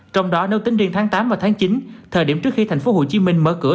trong đó nếu tính riêng tháng tám và tháng chín thời điểm trước khi tp hcm mở cửa